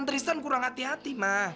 tristan kurang hati hati ma